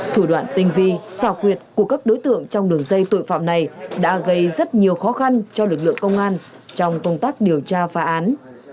thủ đoạn tinh vi xảo quyệt của các đối tượng trong đường dây tội phạm này đã gây rất nhiều khó khăn cho lực lượng công an trong công tác điều tra phá án